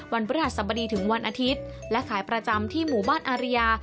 พฤหัสบดีถึงวันอาทิตย์และขายประจำที่หมู่บ้านอาริยา